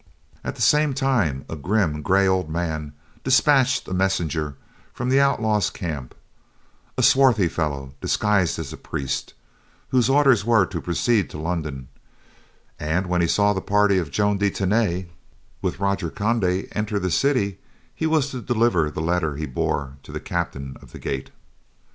At the same time a grim, gray, old man dispatched a messenger from the outlaw's camp; a swarthy fellow, disguised as a priest, whose orders were to proceed to London, and when he saw the party of Joan de Tany, with Roger de Conde, enter the city, he was to deliver the letter he bore to the captain of the gate.